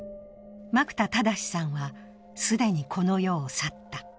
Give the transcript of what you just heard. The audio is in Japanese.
真久田正さんは、既にこの世を去った。